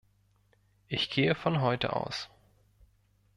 Ich gehe von heute aus.